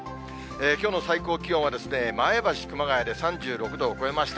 きょうの最高気温は前橋、熊谷で３６度を超えました。